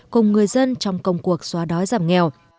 cùng người dân trong công cuộc xóa đói giảm nghèo